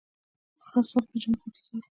خرس ولې په ژمي کې ویده کیږي؟